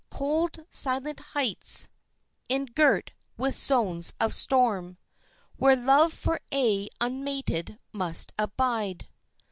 Cold, silent heights, engirt with zones of storm, Where Love for aye unmated must abide.